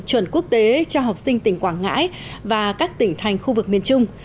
chuẩn quốc tế cho học sinh tỉnh quảng ngãi và các tỉnh thành khu vực miền trung